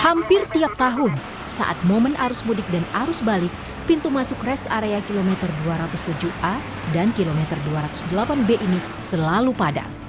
hampir tiap tahun saat momen arus mudik dan arus balik pintu masuk rest area kilometer dua ratus tujuh a dan kilometer dua ratus delapan b ini selalu padat